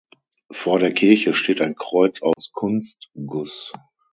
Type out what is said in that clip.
Vor der Kirche steht ein Kreuz aus Kunstguss.